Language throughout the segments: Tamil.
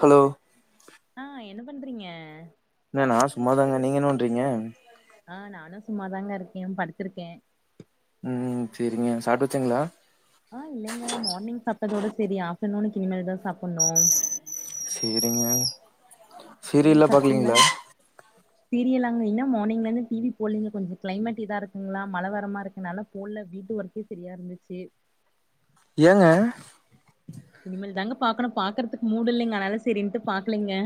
ஹலோ ஆஹ் என்ன பண்றீங்க நானா சும்மாதாங்க நீங்க என்ன பன்றீங்க ஆ நானு சும்மாதாங்க இருக்கே படுத்துருக்கே உம் செரிங்க சாப்ட்டாச்சிங்களா ஆ இல்லைங்க மார்னிங் சாப்ட்டதோட செரி ஆஃப்டர் நூனுக்கு இனிமேல்தா சாப்புண்ணு சேரிங்க நீங்க சீரியல்லா சாப்ட்டீங்களா பாக்கலீங்ளா சீரியலாங்க இன்னு மார்னிங்லேந்து டிவி போல்லீங்க கொஞ்சொ க்ளைமேட் இதா இருக்குங்ளா மழ வரமாருக்கனால போல்ல வீட்டு ஒர்க்கே செரியா இருந்துச்சி ஏங்க இனிமேல் தாங்க பாக்கணு பாக்கற்த்துக்கு மூடில்லிங்க அதனால செரின்ட்டு பாக்கலெங்க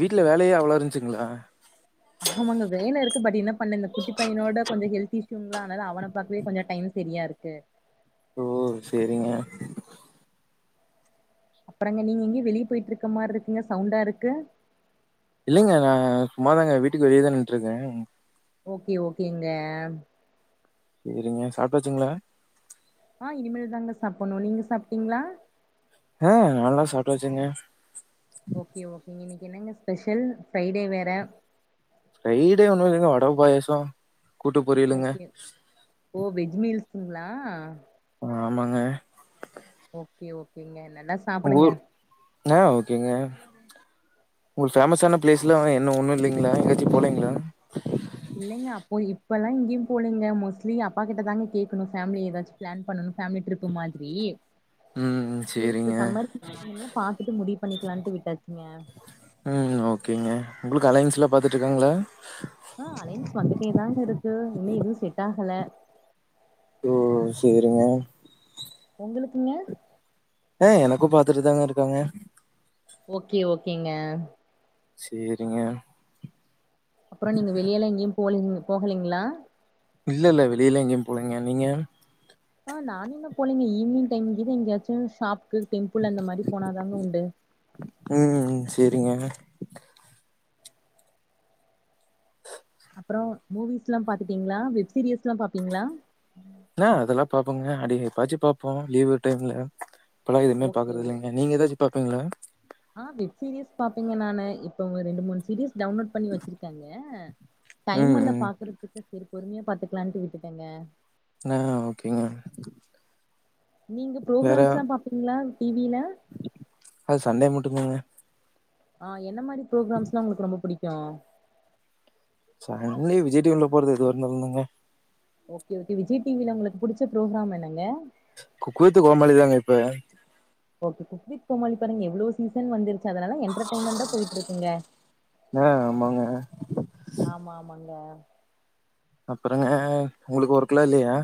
வீட்ல வேலையே அவ்ளோ இருந்துசுங்ளா ஆமாங்க [unintelligible] பண்ண இந்த குட்டிப் பையனோட கொஞ்சொ ஹெல்த் ங்களா அனால அவன பாக்கவே கொஞ்சொ டைம் செரியா இருக்கு ஓ செரிங்க அப்பறங்க நீங்க எங்கியு வெளிய போயிட்ருக்க மார் இருக்குங்க சௌண்டா இருக்கு இல்லைங்க நா சும்மாதாங்க வீட்டுக்கு வெளியதா நின்ட்ருக்கே ஓகே ஓகேங்க சேரிங்க சாப்ட்டாச்சுங்களா ஆ இனிமேல்தாங்க சாப்பண்ணு நீங்க சாப்ட்டீங்ளா ஆ நால்லா சாப்ட்டாச்சுங்க ஓகே ஓகேங்க நீ என்னங்க ஸ்பெஷல் ஃப்ரைடே வேற ஃப்ரைடே ஒண்ணு இல்லங்க வட பாயாசொ கூட்டு பொரியலுங்க ங்களா ஆமாங்க ஓகே ஓகேங்க நல்லா உங்க சாப்பிடுங்க ஊர் ஆ ஓகேங்க உங்களுக்கு ஃபேமஸ்ஸான ப்ளேஸ்லா என்ன ஒண்ணு இல்லைங்களா எங்கயாச்சு போலேங்களா இல்லைங்க அப்போ இப்பல்லா எங்கியு போலேங்க மோஸ்ட்லி அப்பாக்கிட்டதாங்க கேக்கணு ஃபேம்லி ஏதாச்சு ப்ளான் பண்ணணு ஃபேம்லி ட்ரிப்பு மாதிரி ம் சேரி இப்ப சேரிங்க சம்மர் [inaudible] பாத்துட்டு முடிவு பண்ணிக்லான்ட்டு விட்டாச்சுங்க ம் ஓகேங்க. உங்களுக்கு அலைன்ஸ்லா பாத்துட்ருக்காங்களா ஆ அலைன்ஸ் வந்துட்டே தாங்க இருக்கு இன்னு எதுவு செட் ஆகல ஓ சேரிங்க ஒங்களுக்குங்க அ எனக்கு பாத்துட்டுதாங்க இருக்காங்க ஓகே ஓகேங்க சேரிங்க அப்பறோ நீங்க வெளியல்லா எங்கியும் போலிங் போகலீங்களா இல்ல இல்ல வெளியில எங்கியும் போலீங்க நீங்க ஆஹ் நானு எங்க போலீங்க ஈவினிங் டைம் கீது எங்கயாச்சு ஷாப் பு டெம்பிள் அந்த மாதிரி போனாதாங்க உண்டு சரிங்க அப்புறம் மூவிஸ் எல்லாம் பாத்துட்டீங்களா வெப் சீரிஸ் எல்லா பாப்பீங்களா அ அதெல்லாம் பாப்போங்க அடி எப் பாச்சு பாப்போ லீவுடைம்ல இப்பலா எதுமே பாக்குறது இலைங்க நீங்க எதாச்சும் பாப்பீங்களா ஆஹ் வெப் சீரீயஸ் பாப்பங்க நானு இப்பங்க ரெண்டு மூணு சீரீயஸ் டவுன்லோட் பண்ணி வச்சிருக்கங்க ம், டைமல்ல ம். பாக்குறதுக்கு சரி பொறுமையா பாத்துக்கலான்ட்டு விட்டுட்டங்க ஆஹ ஓகேங்க வேற டி வி ல அது சண்டே மட்டுந் தாங்க ஆஹ் என்ன மாரி ப்ரோகிராம்ஸ் லா உங்களுக்கு ரொம்ப பிடிக் கு சான்டே விஜய் டி வி ல போடறது எதுவாருந்தாலுந் தாங்க ஓகே ஓகே விஜய் டிவில உங்களுக்கு புடிச்ச ப்ரோக்ராம் என்னங்க குக் வித் கோமாலி தாங்க இப்ப ஓகே குக் வித் கோமாளி பாருங்க எவ்ளோ சீசன் வந்திருக்கு அது நல்லா என்டர்டெயின்மென்ட்டா போயிட்டு இருக்குங்க ஆ ஆமாங்க. ஆமா ஆமாங்க அப்புறங்க உங்களுக்கு ஒர்க் எல்லா இல்லையா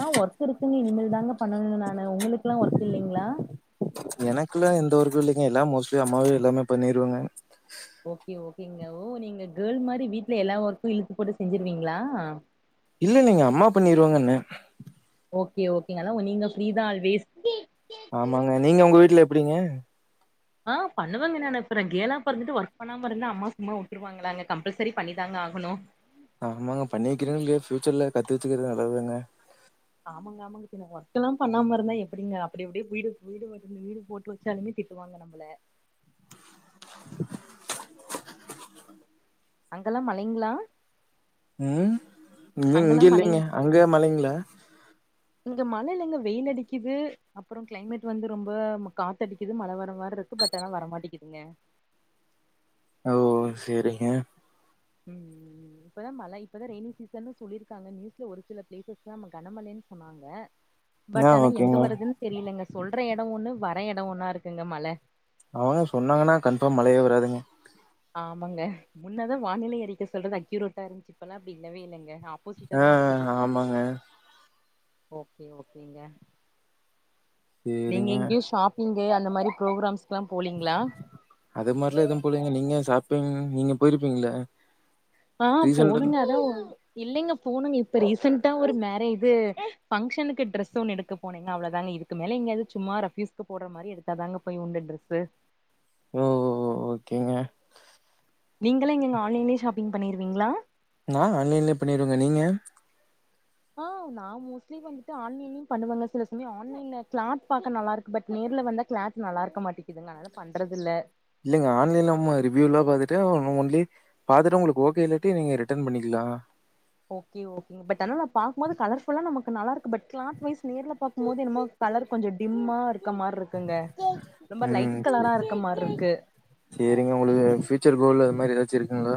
ஆஹ் ஒர்க் இருக்குங்க இனிமேல் தாங்க பண்ணணுனு நா உங்களுக்கெல்லா ஒர்க் இல்லைங்களா எனக்குல்லா எந்த வொர்க்கு இல்லைங்க எல்லா மோஸ்ட்லி அம்மாவே எல்லாமே பண்ணிருவாங்க ஓகே ஓகேங்க ஓ நீங்க கேர்ள் மாதிரி வீட்டுல எல்லா ஒர்க்கு இழுத்து போட்டு செஞ்சிருவீங்களா? இல்ல நீங்க அம்மா பண்ணிருவாங்கன்ன ஓகே ஓகேங்க அதா நீங்க ஃப்ரீதா ஆல்வேஸ் ஆமாங்க நீங்க உங்க வீட்டுல ப்படிங்க ஆஹ் பண்ணுவங்க நானு அப்புற கேர்ளா பொறந்துட்டு ஒர்க் பண்ணாம இருந்தா அம்மா சும்மா உட்டுருவாங்களாங்க கம்பல்சரி பண்ணிதாங்க ஆகணு ஆமாங்க பண்ணிருக்கிறிங்ளோ இல்லையோ ஃப்யூச்சர்ல கத்து வச்சுக்கிறது நல்லது தான ஆமாங்க ஆமாங்க பின்ன ஒர்க் எல்லா பண்ணாம இருந்தா எப்படிங்க அப்படி அப்படியே வீடு வந்து வீடு போட்டு வச்சாலுமே திட்டுவாங்க நம்மள [unintelligible] அங்கல்லாம் மழைங்ளா? உம் இங்கயிலைங்க அங்கள மழைங்களா? இங்க மழை இலங்க வெயில் அடிக்கிது அப்புறம் கிளைமேட் வந்து ரொம்ப காத்து அடிக்குது மழை வர வரமாதிரி இருக்கு பட் வரமாட்டங்துங்க ஓ செரிங்க உம் இப்பதான் மழை இப்ப தான் ரெயினி சீஸ்னனு சொல்லியிருக்காங்க நியூஸ்ல ஒரு சில பிளேசஸ் தான் கனமழைனு சொன்னாங்க ஆ பட் ஆனா ஓகேங்க எங்க வர்றதுனு தெரியலங்க சொல்ட எட ஒன்னு வர எட ஒன்னா இருக்குங்க மழ அவ்ங்க சொன்னாங்கனா கன்ஃபார்ம் மழையே வராதுங் ஆமாங்க முன்னாதா வானிலை அறிக்க சொல்றது அக்யூரோட்டா இருந்துச்சு இப்பலா அப்டி இல்லவே இல்லங்க ஆப்போசிட்டா தா ஆஹ் நடக்குது ஹ ஆமாங்க ஓகே ஓகேங்க நீங்க சேரிங்க எங்கயோ ஷாப்பிங் டே அந்த மாரி புரோகராம்ஸ் அது மார்லா எதுவும் போலைங் நீங்க சாப் டுங் நீங்க போயிர்பீங்ள ஆஹ் போணுங்க அதா இல்லைங்க போனுங்க இப்ப ரீசென்ட்டா ஒரு மேரேஜ் இது பங்க்ஷனுக்கு ட்ரெஸ் ஒன்னு எடுக்க போனேங்க அவ்ளதாங்க இதுக்கு மேல எங்யாது சும்மா ரஃப்யூஸ்கு போட்ற மாரி எடுத்தாதாங்க போய் உண்டு ட்ரெஸ்ஸு ஓ ஓ ஓகேங்க நீங்களா எங்கங்க ஆன்லைலே ஷாப்பி்ங் பண்ணிருவீங்ளா நா ஆன்லைன்லே பண்ணிருவேங்க நீங்க ஆஹ் நா மோஸ்ட்லி வந்ட்டு ஆன்னிலயு பண்ணுவங்க சில சமய ஆன்லைன்ல கிளாத் பாக்க நல்லா இருக்கு பட் நேர்ல வந்தா கிளாத் நல்லா இருக்க மாட்டிக்குதுங்க அதா பண்றதில்ல இல்லங்க ஆன்லைன்ல நம்ம ரிவ்யூலா பாத்துட்டு ஒ நோ ஒன்லி பாத்துட்டு உங்களுக்கு ஓகே இல்லாட்டி நீங்க ரிட்டன் பண்ணிக்குலா ஓகே ஓகே பட் நா பாக்கும் போது கலர்ஃபுல்லா நமக்கு நல்லா இருக்கு பட் கிளாத் வைஸ் நேர்ல பாக்கும் போது என்னமோ கலர் கொஞ்ச டிம்மா இருக்கு உம் கலரா இருக்க மாரி இருக்கு சேரிங்க உங்களுக்கு ஃயூச்சர் கோல் அது மாரி எத ச்சு இருகுங்ளா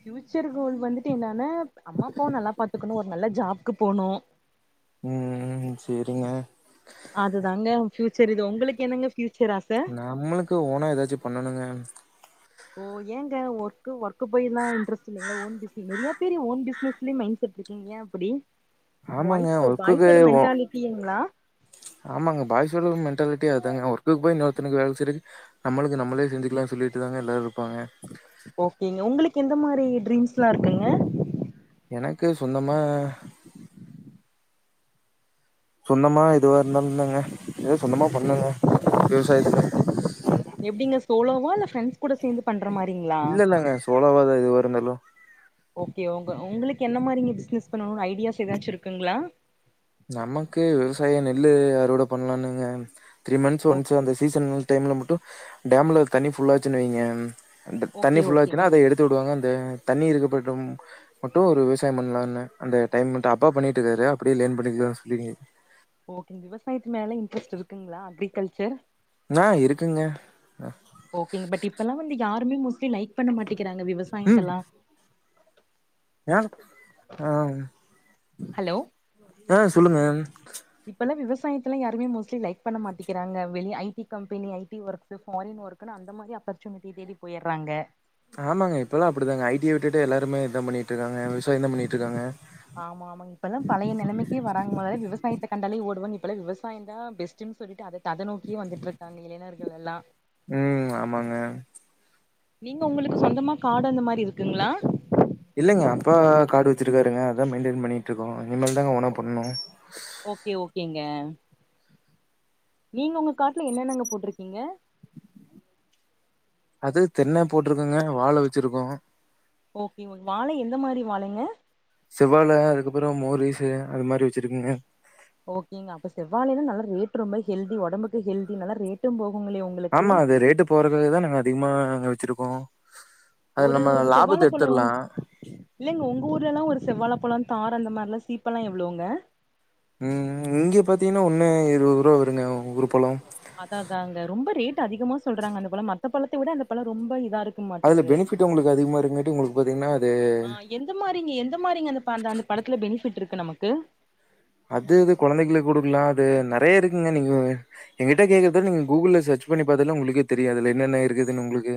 ஃபியூச்சர் கோல் வந்துட்டு என்னானா அம்மாப்பாவ நல்லா பாத்துகணு ஒரு நல்ல ஜாப்க்கு போணு உம் ம் சேர் ங்க அதுதாங்க ஃபியூச்சர் இது ஒங்களுக்கு என்னங்க ஃபியூச்சர் ஆச நம்மளுக்கு ஓனா எதாச்சு பண்ணணுங்க ஓ ஏங்க ஒர்க்கு ஒர்க்கு போய்ந்தா இன்ட்ரஸ்ட் இல்லைங்ளா ஓன் பிஸ்னி நெறயா பேரு ஓன் பிஸ்னஸ்லே மைண் செட் இருகீங் ஏ அப்டி ஆமாங்க ஒன்ஸ் பாய்ஸோட மெண்டாலிட்டியங்ளா ச் ஆமாங்க பாய்ஸோட மெண்டாலிட்டி அதாங்க ஒர்க்குக்கு போய் இன்னோர் தனுக்கு வேல செய்றக்கு நம்மளுக்கு நம்மளே செஞ்சுகலான் சொல்லிட்டுதாங்க எல்லாரு ஓகேங்க உங்ளுக் கெந்த மாரி டிர்ங்ஸ்லா இருக்குங்க எனக்கு சொந்தம மா சொந்தமா எதுவா இருந்தாலுமே எதோ சொந்தமா ஓ பண்ணுங்க ஓன் விவசாயத்துக்கு பிஸ்னஸ் எப்டிங்க சோலோவா இல்ல ஃபிரெண்ஸ் கூட சேந்து பண்ணு இல்லல்லங்க சோலோவாதா எதுவா இருந்தாலு ஓகே உங்க உங்களுக்கு என்ன மாரிங்க பிஸ்னஸ் பண்ணணுனு ஐடியாஸ் ஏதாச்சு இருக்குங்ளா நமக்கு விவசாயொ நெல்லு அறுவடை பண்ணலானுங்க த்ரீ மந்த்ஸ் ஓ ஒன்ஸ் அந்த சீசன் டைம்ல மட் டும் டேம்ல தனி ஃபுல்லாச்சுனு வைங்க அந்த தண்ணி ஓகே ஃபுல்லாசுனா ஓகேங்க அத எடுத்து விடுவாங்க அந்த தண்ணி இருக்கப டும் மட்டூ ஒரு விவசாயொ பண்ணலானு அந்த டைம் மட்டு அப்பா பண்ணிட்டு இருக்காரு அப்டி இல் ஓகே விவசாயத்து மேல இன்ட்ரஸ்ட் இருக்குங்களா அக்ரிகல்ச்சர் ஆஹ் இருக்குங்க ஓகேங்க பட் இப்பெல்லா வந்து யாருமே மோஸ்ட்லி லைக் பண்ண மாட்டீக்கிறாங்க விவசாயத்தல்லா ஏ ஆஹ் ஆஹ் ஹலோ ஆஹ் சொல்லுங்க இப்பெல்லா விவசாயத்தல்ல யாருமே மோஸ்டலி லைக் பண்ண மாட்டீக்கிறாங்க வெளிய I T company I T work foreign ஒர்க்னு அந்த மாரி அப்பர்சுனிட்டி தேடி போயர்றாங்க ஆமாங்க இப்பெல்லா அப்டிதாங்க ஐ டிய விட்டுட்டு எல்லாருமே இதா பண்ணிட்டு இருக்காங்க விவசாயம்தா பண்ணிட்டு இருக்காங்க ஆமா ஆமாங்க இப்பெல்லா பழைய நெலைமைக்கே வராங்க மொதல்ல விவசாயத்த கண்டாலே ஓடுவன் இப்பல்லா விவசாயம்தா பெஸ்டுனு சொல்லிட்டு அத த அத நோக்கியே வந்துட்டு இருக்காங்க இளைஞர்கள் எல்லா உம் ஆமாங்க நீங்க உங்களுக்கு சொந்தமா காடு அந்த மாரி இருக்குங்ளா இல்லங்க அப்பா காடு வெச்சிருக்காருங்க அதா மெயின்டெய்ன் பண்ணிட்டு இருக்கோ இனிமேல்தாங் ஓனா பண்ணூ ஓகே ஓகேங்க நீங்க உங்க காட்ல என்னென்னங்க போட்ருகீங்க அது தென்னெ போட்ருகோங்க வாழ வெச்ருகோ ஓகே வாழ எந்த மாரி வாழங்க செவ்வால அதுக்கப்பறம் மோரிஸு அது மாரி வச்சிருக்குங்க ஓகேங்க அப்ப செவ்வால எல்லா நல்ல ரேட் ரொம்ப ஹெல்தி ஒடம்புக்கு ஹெல்தி நல்லா ரேட்டும் போகு ஆமா அது ரேட்டு போறதுகதா நாங்க அதிகமா வெச்சிருக்கோ ஒரு ஒரு செவ்வாழ பழம் உங் இல்லங்க உங்க ஊர்லலா ஒரு செவ்வாழ பழ தார் அந்த மாதிரிலா சீப்பெல்லா எவளவுங்க ம் ம் இங்க பாத்தீங்கன்னா ஒன்னு இருபது ரூவா வருங்க ஒரு பழம் அதா அதாங்க ரொம்ப ரேட் அதிகமா சொல்றாங்க அந்த பழ மத்த பழத்த விட அந்த பழோ ரொம்ப இதா இருக்கு அதுல இருகுமாட்டுக்கு பெனிஃபிட் உங்களுக்கு அதிகமா இருக்குங்காட்டி உங்களுக்கு பாத்தீங்கன்னா அது ஆ எந்த மாரிங்க எந்த மாரிங்க அந்-அந்த பழத்துல பெனிஃபிட் இருக் க்கு நமக்கு அது இது கொழந்தைங்களுக்கு கொடுக்கலா அது நெறைய இருக்குங்க நீங்க எங்கிட்ட கேக்குறத விட நீங்க கூகுள்ல சர்ச் பண்ணி பாத்தாலே உங்களுக்கே தெரியாதுல என்னென்ன இருக்குதுன்னு உங்களுக்கு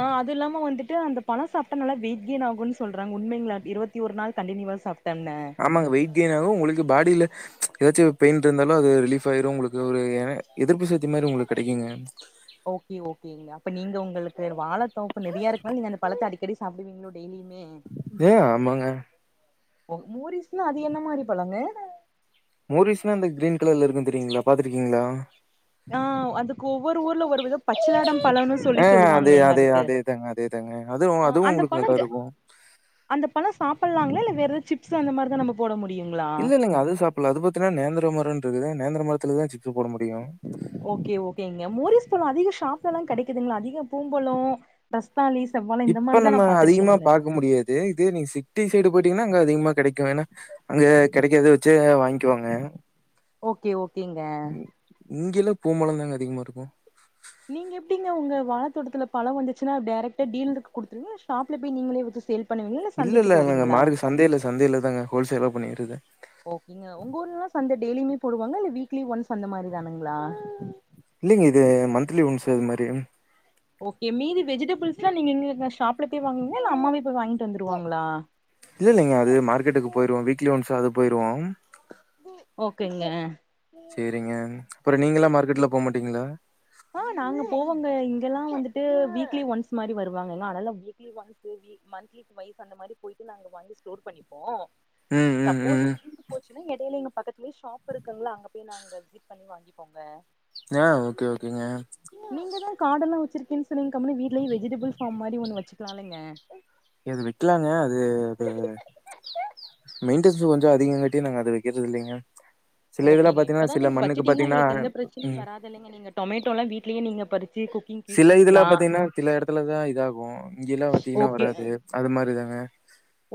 ஆஹ் அது இல்லாம வந்துட்டு அந்த பழம் சாப்டா நல்லா வெயிட் கேயின் ஆகும்னு சொல்றாங்க உண்மைங்களா இருவத்தி ஒரு நாள் கண்டினியூவா சாப் ஆமாங்க வெயிட் கெயின் ஆகு உங்களுக்கு பாடியில எதாச்சும் பெயின் இருந்தாலு அது ரிலீப் ஆயிரும் உங்களுக்கு ஒரு என எதிர்ப்பு சத் ஓகே ஓகேங்க அப்ப நீங்க உங்களுக்கு வாழ ஓ இப்ப நெறயா இருக்கனால அந்த பழத்தை அடிக்கடி சாப்படுவீங்ளோ டெய்லி ஏ ஆமாங்க மூரிஸ்ன்னா அது என்ன மாரி பழங்க மோரிஸ்னா அந்த கிரீன் கலர்ல இருக்கு [unintelligible] [unintelligible] பாத்துருக்கீங்களா ஆஹ் அதுக்கு ஒவ்வொரு ஊர்ல ஒரு விதம் பச்சாடம் பழம்னு சொல்லி ஆ அதே சொல்லுவாங்களேங்க அதே அதுக்கு அதேதாங்க அதேதாங்க. அதுவும் அதுவும் அந்த உங்களுக்கு நல்லா பழம் இருக்கும். அந்த பழம் சாப்டலாங்களா இல்ல வேற எதுக் சிப்ஸ் அந்த மாரிதான் நம்ப போட மு இல்ல இல்லங்க அது சாப்பிட்லா அது பாத்திங்கனா நேந்திர மாரி தானே இருக்குது நேந்திர மரத்துல தான் சிப் ஓகே ஓகேங்க மோரிஸ் பழம் அதிக சாப் சலாம் கிடைக்குதுங்களா அதிக பூம்பழம் ரஸ் இப்ப நம்ம அதிகமா பாக்க முடியாது இது நீ சிட்டி சைடு போயிட்டீங்கன்னா அங்க அதிகமா கெடைக்கும் ஏன்னா அங்க கெடைக்கத வச்சு வாங்கிக்குவாங்க ஓக்கே ஓக்கேங்க பூம் பழம் தாங்க அதிகமா இருக்கும் நீங்க எப்படிங்க உங்க வாழத்தோட்டத்துல பழ வந்துச்சுா டைரக்டா டீலருக்கு குடுத்துருங்க இல்ல ஷாப்ல போய் நீங்களே வச்சு சேல் பண்ணுவீங்களா இல்ல சந்தைக்கு இல்லங்க போவீங்களா மார்கட் சந்தேல சந்தேல தாங்க ஹோல்சேலா பண்ணிரது ஓகேங்க உங்க ஊர் எல்லாம் சந்த டெய்லியுமே போடுவாங்க இல்ல வீக்லி ஒன்ஸ் அந்த மாரி தானுங்களா இல்லைங்க இது மன்த்திலி ஒன்ஸ் அது மாரி ஓகே மீதி வெஜிடபிள்ஸ் எல்லாம் நீங்க எங்க ஷாப்ல போய் வாங்குவீங்ளா இல்ல அம்மாவே போய் வாங்கிட்டு வந்துருவாங்களா இல்ல இல்லங்க அது மார்க்கெட்டுக்கு போய்ருவோம் வீக்லி ஒன்ஸாது போய்ருவோம் ஓக்கேங்க சேரிங்க அப்பறோ நீங்கள்ளா மார்க்கெட்லா போமாட்டீங்களா ஆஹ் நாங்க போவோங்க இங்கெல்லாம் வந்துட்டு வீக்லி ஒன்ஸ் மாரி வருவாங்கங்க ஆனால weekly once week monthly twice அந்த மாரி போயிட்டு நாங்க வாங்கி ஸ்டோர் பண்ணிப்போம் ம் ம் சப்போஸ் ம் தீந்து போச்சுன்னா இடையில எங்க பக்கத்துலேயே ஷாப் இருக்குங்களா அங்க போய் நாங்க விசிட் பண்ணி வாங்கிப்போங்க ஆ ஓகே ஓகேங்க நீங்கதான் காடெல்லாம் வச்சிருக்கேன்னு சொன்னீங்க கம்முணு வீட்லயே வெஜிடபிள் ஃபார்ம் மாரி ஒன்னு வச்சு கலாலங்க அது வெக்கலாங்க அது அது மெயின்டனஸ் கொஞ்சம் அதிகோ கட்டி நாங்க அத வைக்கிறது இல்லைங்க சில இதெல்லா ஓகேங்க பாத்தீங்கன்னா இப்பதா சில நீங்க மண்ணுக்கு வச்சுட்டீங்கன்னா பாத்தீங்கன்னா உங்களுக்கு எந்த பிரச்சனையு ம் வராது இல்லங்க நீங்க டொமேட்டோலா வீட்லயே நீங்க பறிச்சு குக்கிங்க்கு யூஸ் சில இதுல பண்ணிக்கலா பாத்தீங்கன்னா சில எடத்துலதா இதாகோ இங்கெல்லா பாத்தீங்கன்னா ஓகே வராது அது மாரிதாங்க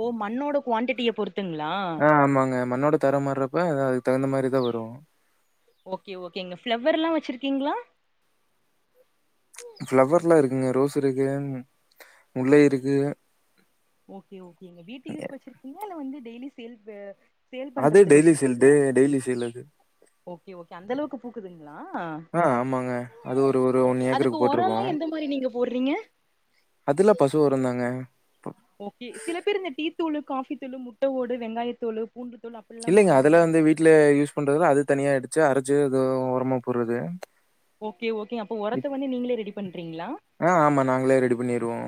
ஓ மண்ணோட குவான்டிட்டிய பொறுத்துங்களா ஆ ஆமாங்க மண்ணோட தரம் மார்றப்போ இத்தா தகுந்த மாரி தா வரோ ஓகே ஓகேங்க பிளவர்ல்லா வெச்சிருக்கீங்களா ஃப்ளவர்லா இருக்குங்க ரோஸ் இருக்கு முல்லை இருக்கு ஓகே ஓகேங்க வீட்டு யூஸ் வெச்சிருக்கீலா இல்ல வந்து டெய்லி தில்பு அது டெய்லி ஃபீல்டு டெய்லி சேல் அது ஓகே ஓகே அந்த அளவுக்கு பூக்குதுங்களா ஆஹ் ஆமாங்க அது ஒரு ஒரு ஒண் ஓகே அதுக்கு ஏக்கருக்கு ஒரல்லா போட்டிருக்கோம் எந்த மாரி நீங்க போடுறீங்க அது எல்லா பசு வொறந்தாங்க ஓகே சில பேர் இந்த டீ தூளு காபி தூளு முட்டை ஓடு வெங்காயத் தோளு இல்லங்க அதெலாம் வந்து வீட்டுல யூஸ் பண்றதுல அது தனியா எடுத் அரைச்சு அத உரமா போடுறது ஓ ப் ஆஹ் ஆமா நாங்களே ரெடி பண்ணிருவோம்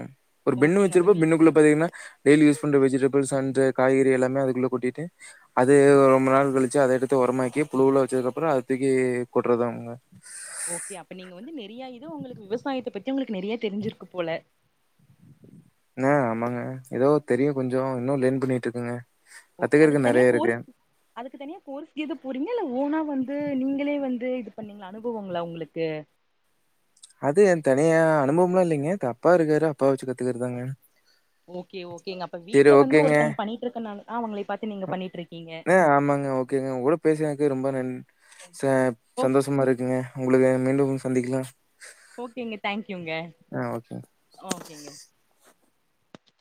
ஒரு பெண்ணு ஓகேங்க அப்ப வெச்சிருப்போம் வீ பெண்ணுக்குள்ள பாத்தீங்கன்னா டெய்லி யூஸ் பண்ற வெஜிடபிள்ஸ் அன்ட் காய்கறி எல்லாமே அதுக்குள்ளே கொட்டிட்டு அது ரொம்ப நாள் கழிச்சு அத எடுத்து ஒரமாக்கி புழுலா வெச்சதுக்கப்புறம் அது தூக்கி கொட்டுறது அவங்க ஓகே அப்ப நீங்க வந்து நெறய இத் உங்களுக்கு விவசாயத்த பத்தி உங்களுக்கு நறைய தெரிஞ்சிருக்கு போல ஆஹ் ஆமாங்க ஏதோ தெரியும் கொஞ்சோ இன்னு லேர்ன் பண்ணிட்டு இருக்கங்க அதுக்கு தனியா கோர்ஸ் அதுக்கு தனியா கோர்ஸ் ஏது போறீங்லா இல்ல ஓனா வந்து நீங்களே வந்து இது இது பண்ணீங்கள அனுபவங்களா உங்களுக்கு அது என் தனியா அனுபவம்லா இல்லங்க அப்பா இருக்காரு அப்பா வெச்சு கத்துக்கறதாங்க ஓகே ஓகேங்க அப்ப வீட்டுல வந்து ஒருத்தங்க பண்ணிட்டு இருக்க நால ஆமாங்களே ப் அ ஏ ஆமாங்க ஓகேங்க உங்க கூட பேசினதுக்கு ரொம்ப [unintelligible] ச ஓ சந்தோஷமா இருக்குங்க உங்களுக்க மீண்டும் சந்திக்கலாம் ஓகேங்க தேங்க்யூங்க ஆ ஓகே. ஓகேங்க